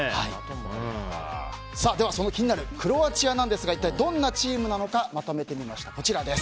では気になるクロアチアですがどんなチームかまとめてみました。